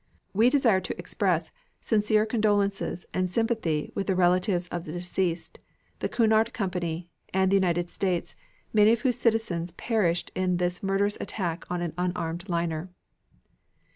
We desire to express sincere condolences and sympathy with the relatives of the deceased, the Cunard Company, and the United States, many of whose citizens perished in this murderous attack on an unarmed liner.